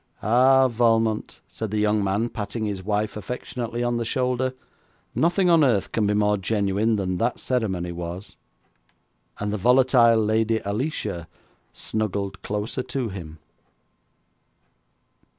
'Ah, Valmont,' said the young man, patting his wife affectionately on the shoulder, 'nothing on earth can be more genuine than that ceremony was.' And the volatile Lady Alicia snuggled closer to him.